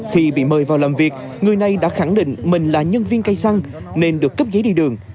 khi bị mời vào làm việc người này đã khẳng định mình là nhân viên cây xăng nên được cấp giấy đi đường